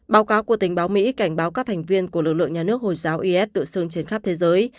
báo cáo của tình báo mỹ cảnh báo các thành viên của lực lượng nhà nước hồi giáo is tự xưng trên khắp thế giới